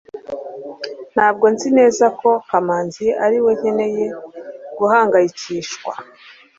ntabwo nzi neza ko kamanzi ariwe nkeneye guhangayikishwa